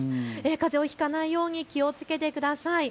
かぜをひかないように気をつけてください。